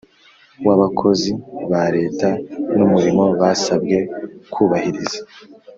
w Abakozi ba Leta n Umurimo basabwe kubahiriza